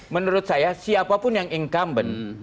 menurut saya siapapun yang incumbent